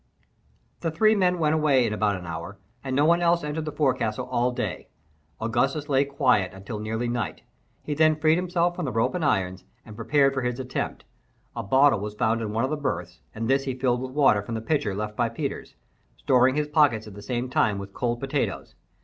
The three men went away in about an hour, and no one else entered the forecastle all day. Augustus lay quiet until nearly night. He then freed himself from the rope and irons, and prepared for his attempt. A bottle was found in one of the berths, and this he filled with water from the pitcher left by Peters, storing his pockets at the same time with cold potatoes.